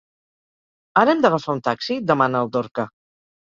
Ara hem d'agafar un taxi? —demana el Dorca